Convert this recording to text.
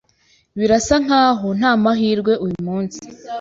Birasa nkaho ntamahirwe uyu munsi.